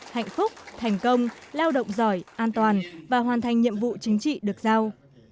hạnh phúc thành công lao động giỏi an toàn và hoàn thành nhiệm vụ chính trị được giao